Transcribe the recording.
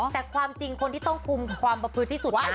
แต่ความจริงคนที่ต้องคุมความประพฤติที่สุด